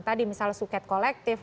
tadi misalnya suket kolektif